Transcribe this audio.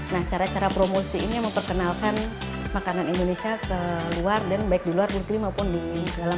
nah cara cara promosi ini memperkenalkan makanan indonesia ke luar dan baik di luar negeri maupun di dalam